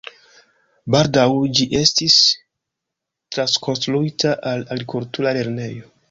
Baldaŭ ĝi estis trakonstruita al agrikultura lernejo.